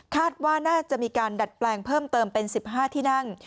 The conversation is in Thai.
ว่าน่าจะมีการดัดแปลงเพิ่มเติมเป็น๑๕ที่นั่ง